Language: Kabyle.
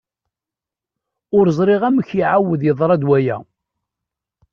Ur ẓriɣ amek i iεawed yeḍra-d waya.